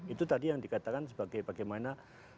itu tadi yang dikatakan sebagai bagaimana